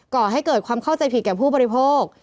ก่อให้เกิดความเข้าใจผิดแก่ผู้บริโภค